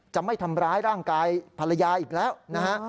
จะไม่ทำร้ายร่างกายภรรยาอีกแล้วนะฮะ